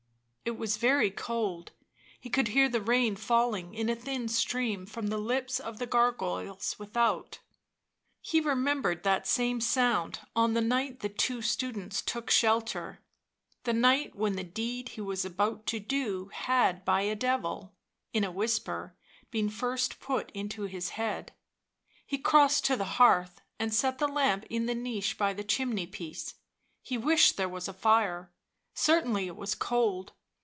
It was very cold ; he could hear the rain falling in a thin stream from the lips of the gargoyles without ; he remembered that same sound on the night the two students took shelter ; the night when the deed he was about to do had by a devil, in a whisper, been first put into his head. He crossed to the hearth and set the lamp in the niche by the chimney piece; he wished there was a fire — certainly it was cold.